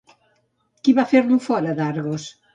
Qui va fer-lo fora d'Argos?